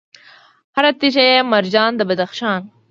هر تیږه یې مرجان د بدخشان